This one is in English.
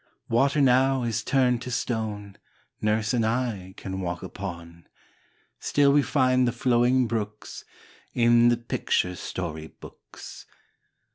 Water now is turned to stone Nurse and I can walk upon; Still we find the flowing brooks In the picture story books.